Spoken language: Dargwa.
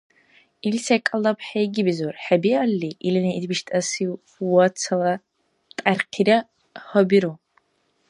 Ил секӀал наб хӀейгибизур: “ХӀебиалли, илини ит биштӀаси вацала тӀярхъира гьабиру.